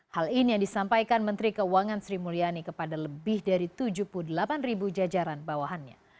hal ini yang disampaikan menteri keuangan sri mulyani kepada lebih dari tujuh puluh delapan ribu jajaran bawahannya